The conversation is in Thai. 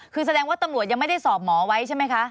คือแสดงว่าตำรวจยังไม่ได้สอบหมอไว้ใช่ไหมคะ